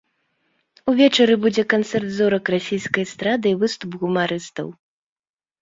Увечары будзе канцэрт зорак расійскай эстрады і выступ гумарыстаў.